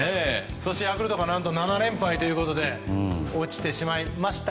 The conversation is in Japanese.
そしてヤクルトが何と７連敗ということで落ちてしまいました。